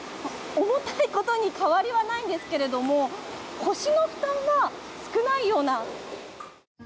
重たいことに変わりはないんですけれども腰の負担は少ないような。